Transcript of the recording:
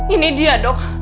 ini dia dok